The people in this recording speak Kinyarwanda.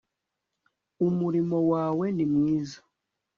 umurimo wawe ni mwiza